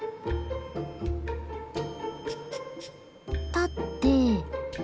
立って。